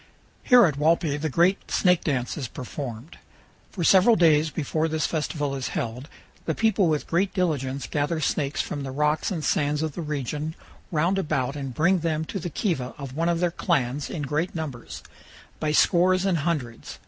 Here at Walpi the great snake dance is performed. For several days OVER THE RIVER. 347 before this festival is held the people with great diligence gather snakes from the rocks and sands of the region round about and bring them to the kiva of one of their clans in great numbers, by scores and hundreds.